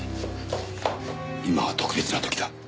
今は特別な時だ。